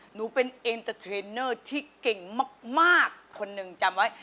หนูเป็นเอ็นเตอร์เทรนเนอร์ที่เก่งมากคนหนึ่งจำไว้